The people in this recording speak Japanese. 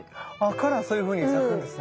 からそういうふうに咲くんですね。